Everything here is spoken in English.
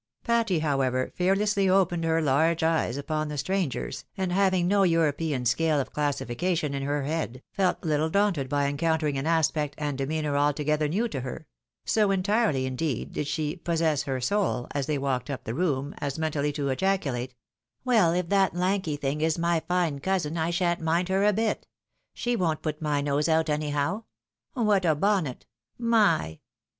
Patty, however, fearlessly opened her large eyes upon the strangers, and having no European scale of classification in her head, felt little daunted by encountering an aspect and demeanour altogether new to her ; so entirely, indeed, did she " possess her soul," as they walked up the room, as mentally to ejaculate, " Well, if that lanky thing is my fine cousin, I shan't mind her a bit. She won't put my nose out, any how. What a bonnet !— my